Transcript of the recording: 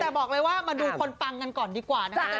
แต่บอกเลยว่ามาดูคนปังกันก่อนดีกว่านะคะ